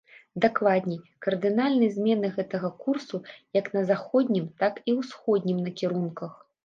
Дакладней, кардынальнай змены гэтага курсу як на заходнім, так і ўсходнім накірунках.